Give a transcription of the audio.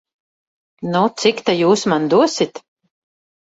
Nu, cik ta jūs man dosit?